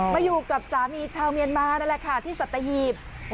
มาอยู่กับสามีชาวเมียนมานั่นแหละค่ะที่สัตหีบ